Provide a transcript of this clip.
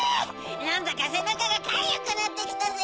なんだかせなかがかゆくなってきたぜ！